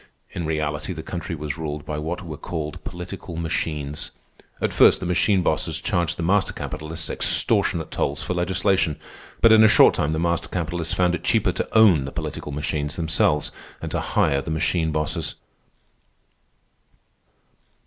In reality, the country was ruled by what were called political machines. At first the machine bosses charged the master capitalists extortionate tolls for legislation; but in a short time the master capitalists found it cheaper to own the political machines themselves and to hire the machine bosses.